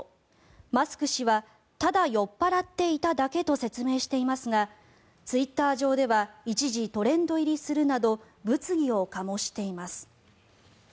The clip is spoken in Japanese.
マスク氏はただ酔っ払っていただけと説明していますがツイッター上では一時、トレンド入りするなど物議を醸しています。